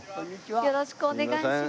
よろしくお願いします。